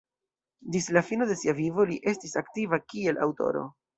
Ĝis la fino de sia vivo, li estis aktiva kiel aŭtoro.